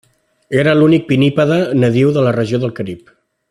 Era l'únic pinnípede nadiu de la regió del Carib.